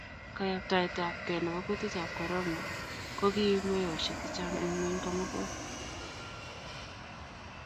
Kayabtaetabkei nebo kutikab korona ko kiib meosiek chechang eng ngwony komugul